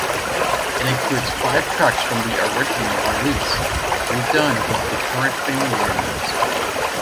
It includes five tracks from the original release, redone with the current band members.